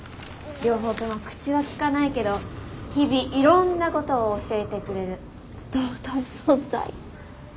両方とも口は利かないけど日々いろんなことを教えてくれる尊い存在。